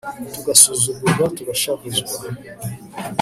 tugasuzugurwa tugashavuzwa